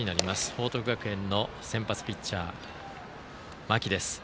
報徳学園の先発ピッチャー、間木。